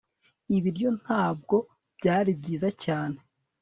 ibiryo ntabwo byari byiza cyane